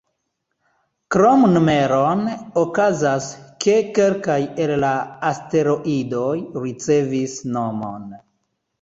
Krom numeron, okazas, ke kelkaj el la asteroidoj ricevis nomon.